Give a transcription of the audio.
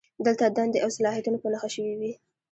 دلته دندې او صلاحیتونه په نښه شوي وي.